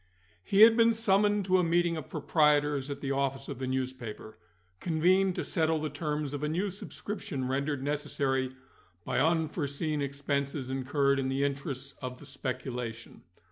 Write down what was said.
He had been summoned to a meeting of proprietors at the office of the newspaper, convened to settle the terms of a new subscription rendered necessary by unforeseen expenses incurred in the interests of the speculation.